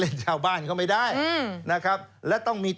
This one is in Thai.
เดินตามขอแบ่ง